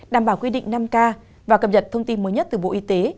đảm bảo quy định năm k và cập nhật thông tin mới nhất từ bộ y tế